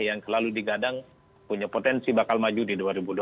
yang selalu digadang punya potensi bakal maju di dua ribu dua puluh